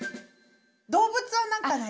動物は何かない？